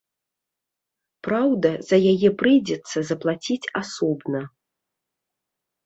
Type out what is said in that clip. Праўда, за яе прыйдзецца заплаціць асобна.